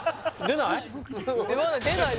出ない？